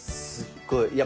すごい。